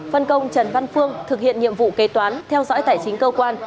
phân công trần văn phương thực hiện nhiệm vụ kế toán theo dõi tài chính cơ quan